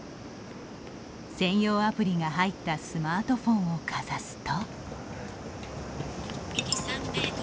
専用アプリが入ったスマートフォンをかざすと。